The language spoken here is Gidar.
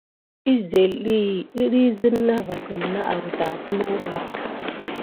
Əzelet ɗiyi kidi sine nà vakunà nane aouta puluba.